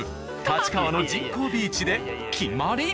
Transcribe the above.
立川の人工ビーチで決まり！